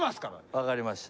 わかりました。